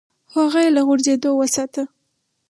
خو هغه يې له غورځېدو وساته.